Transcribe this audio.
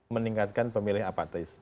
meningkatkan pemilih apatis